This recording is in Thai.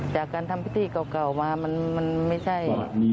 จากการทำพิธีเก่ามามันไม่ใช่